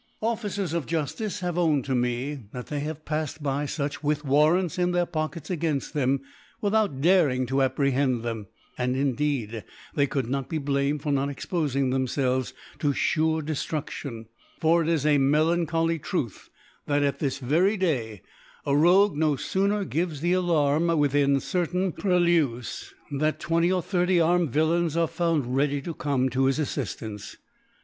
Officers of Juftice have owned to me, that they have pafTed by H fuch ( h6 ) fxach with Warrants in their Poclccts agaiftft them, without darine to apprehend ihem ; and indeed they could not bebliimed for not ^xpofing themfehres to fure Deftrudtion^ For it is a melancholy Truth, that, at thrs vj5ry Day, a Rogue no fooner gives the Ar* larm, within certain Purlieus, than twenty or thirty armed Villains are found ready to cotne to his Affiftance.